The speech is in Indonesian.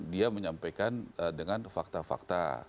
dia menyampaikan dengan fakta fakta